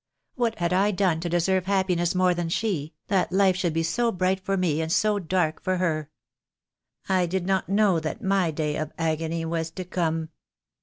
What had I done to deserve happiness more than she, that life should be so bright for me and so dark for her? I did not know that my day of agony was to come."